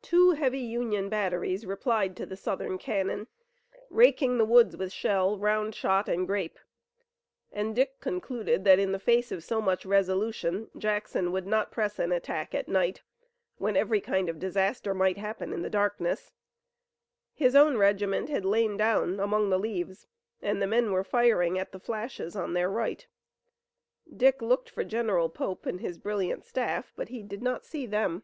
Two heavy Union batteries replied to the Southern cannon, raking the woods with shell, round shot and grape, and Dick concluded that in the face of so much resolution Jackson would not press an attack at night, when every kind of disaster might happen in the darkness. His own regiment had lain down among the leaves, and the men were firing at the flashes on their right. Dick looked for General Pope and his brilliant staff, but he did not see them.